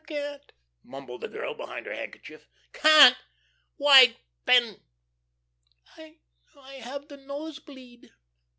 "I can't," mumbled the girl behind her handkerchief. "Can't? Why, then?" "I I have the nose bleed."